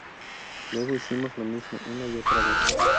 Luego hicimos lo mismo una y otra vez.